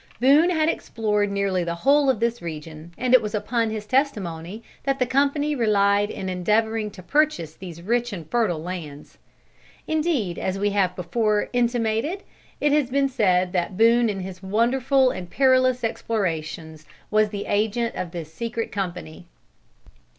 Boone had explored nearly the whole of this region, and it was upon his testimony that the company relied in endeavoring to purchase these rich and fertile lands. Indeed, as we have before intimated, it has been said that Boone in his wonderful and perilous explorations was the agent of this secret company.